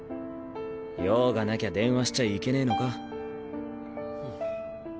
用がなきゃ電話しちゃいけねぇのか。